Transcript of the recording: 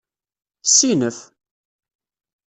Ssinef!